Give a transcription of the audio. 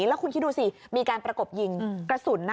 แล้วคุณคิดดูสิมีการประกบยิงกระสุน